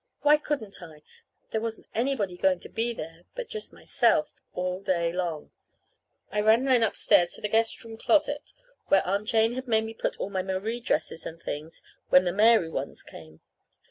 Why couldn't I? There wasn't anybody going to be there but just myself, all day long. I ran then upstairs to the guest room closet where Aunt Jane had made me put all my Marie dresses and things when the Mary ones came.